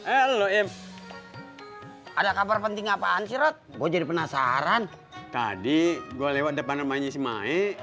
elohim ada kabar penting apaan sirot gue jadi penasaran tadi gue lewat depan rumahnya si maik